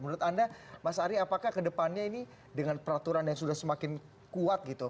menurut anda mas ari apakah kedepannya ini dengan peraturan yang sudah semakin kuat gitu